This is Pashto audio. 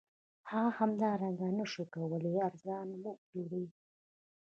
هغه همدارنګه نشوای کولی ارزان وپلوري